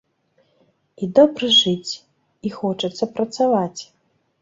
І добра жыць, і хочацца працаваць.